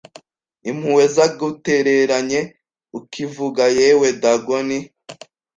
Impuhwezagutereranye ukivuka Yewe Dagoni